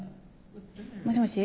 もしもし？